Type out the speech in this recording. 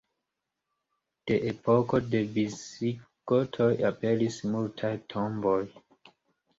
De epoko de visigotoj aperis multaj tomboj.